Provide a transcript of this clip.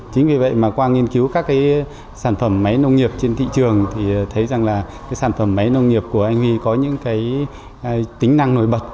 chính vì vậy mà qua nghiên cứu các cái sản phẩm máy nông nghiệp trên thị trường thì thấy rằng là cái sản phẩm máy nông nghiệp của anh huy có những cái tính năng nổi bật